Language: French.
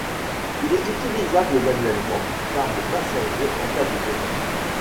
Il est utilisable manuellement par le passager en cas de besoin.